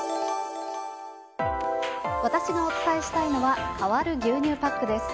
私がお伝えしたいのは変わる牛乳パックです。